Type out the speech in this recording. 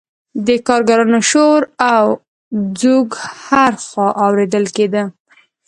د کارګرانو شور او ځوږ هر خوا اوریدل کیده.